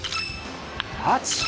８